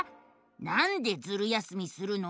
「なんでズル休みするの？